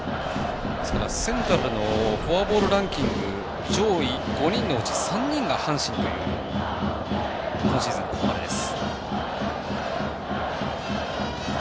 セントラルのフォアボールランキング上位５人のうち３人が阪神という今シーズン、ここまでです。